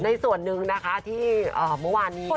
ส่วนหนึ่งนะคะที่เมื่อวานนี้